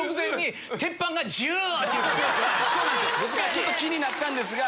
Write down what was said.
ちょっと気になったんですが。